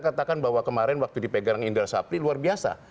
kalau bapak berdua melihatnya santai aja